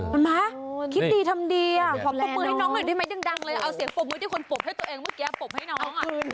เห็นไหมคิดดีทำดีอ่ะขอปรบมือให้น้องหน่อยได้ไหมดังเลยเอาเสียงปรบมือที่คนปรบให้ตัวเองเมื่อกี้ปรบให้น้อง